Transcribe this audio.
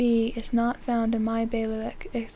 B. is not found in my bailiwick, &c.)